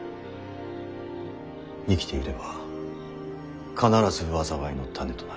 生きていれば必ず災いの種となる。